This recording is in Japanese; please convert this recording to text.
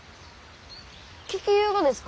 聞きゆうがですか？